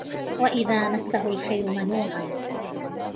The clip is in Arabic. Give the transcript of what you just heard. وَإِذَا مَسَّهُ الْخَيْرُ مَنُوعًا